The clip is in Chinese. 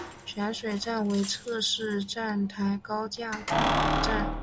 泉水站为侧式站台高架站。